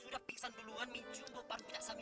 tapi mau jual sapi